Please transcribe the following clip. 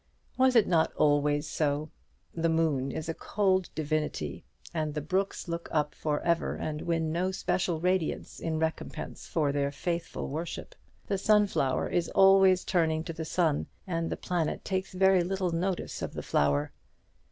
Was it not always so? The moon is a cold divinity, and the brooks look up for ever and win no special radiance in recompense for their faithful worship: the sunflower is always turning to the sun, and the planet takes very little notice of the flower.